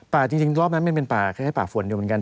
ป่าจริงรอบนั้นมันเป็นป่าแค่ป่าฝนเดียวเหมือนกัน